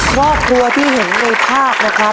ครอบครัวที่เห็นในภาพนะครับ